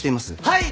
はい！